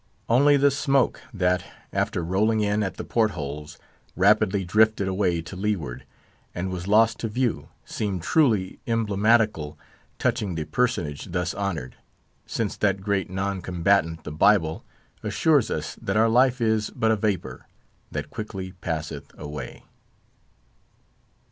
Only the smoke, that, after rolling in at the port holes, rapidly drifted away to leeward, and was lost to view, seemed truly emblematical touching the personage thus honoured, since that great non combatant, the Bible, assures us that our life is but a vapour, that quickly passeth away.